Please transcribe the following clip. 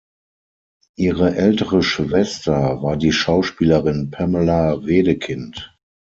Ihre ältere Schwester war die Schauspielerin Pamela Wedekind.